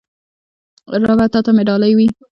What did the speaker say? ربه تاته مې ډالۍ وی